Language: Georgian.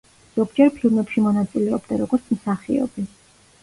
ზოგჯერ ფილმებში მონაწილეობდა, როგორც მსახიობი.